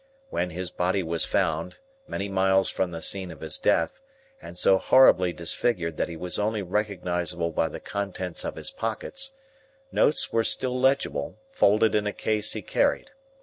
When his body was found, many miles from the scene of his death, and so horribly disfigured that he was only recognisable by the contents of his pockets, notes were still legible, folded in a case he carried.